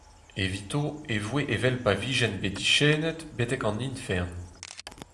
Evito e voe evel pa vijent bet diskennet betek en ifern.